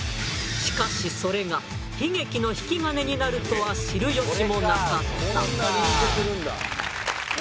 しかしそれが悲劇の引き金になるとは知る由もなかった。